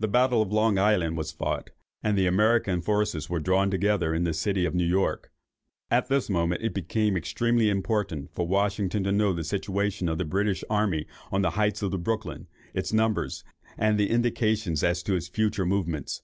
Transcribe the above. The battle of Long Island was fought, and the American forces were drawn together in the city of New York. At this moment it became extremely important for Washington to know the situation of the British army on the heights of Brooklyn, its numbers, and the indications as to its future movements.